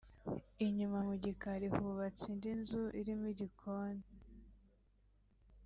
Inyuma mu gikari hubatse indi nzu irimo igikoni